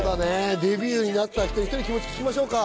デビューになったということで、気持ち聞きましょうか。